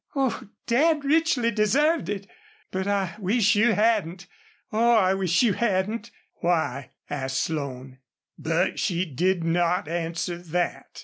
"Oh, Dad richly deserved it! But I wish you hadn't. Oh, I wish you hadn't!" "Why?" asked Slone. But she did not answer that.